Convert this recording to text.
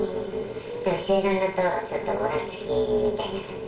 でも集団だとちょっとオラつきみたいな感じ。